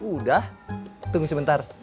udah tunggu sebentar